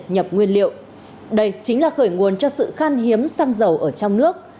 nhập nguyên liệu đây chính là khởi nguồn cho sự khan hiếm xăng dầu ở trong nước